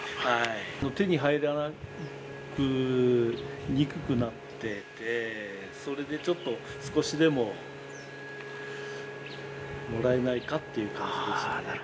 手に入らなく、にくくなってて、それでちょっと、少しでももらえないかっていう感じですね。